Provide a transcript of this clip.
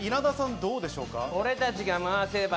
どうでしょうか？